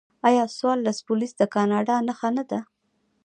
آیا سوار پولیس د کاناډا نښه نه ده؟